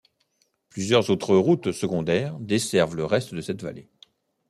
Plusieurs autres routes secondaires desservent le reste de cette vallée.